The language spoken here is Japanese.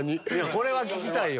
これは聴きたいよ。